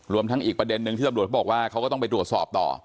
ทั้งอีกประเด็นนึงที่ตำรวจเขาบอกว่าเขาก็ต้องไปตรวจสอบต่อ